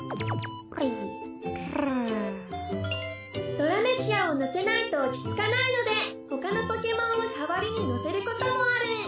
ドラメシヤを乗せないと落ち着かないので他のポケモンを代わりに乗せることもある。